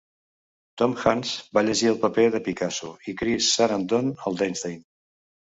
Tom Hanks va llegir el paper de Picasso i Chris Sarandon el d'Einstein.